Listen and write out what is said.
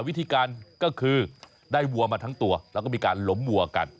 วิธีการก็คือได้วัวมาทั้งตัวแล้วก็มีการล้มวัวกัน